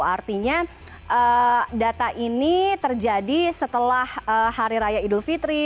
artinya data ini terjadi setelah hari raya idul fitri